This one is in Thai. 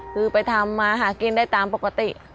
คือไปทำมาหากินได้ตามปกติ